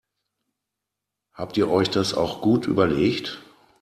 Habt ihr euch das auch gut überlegt?